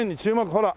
ほら。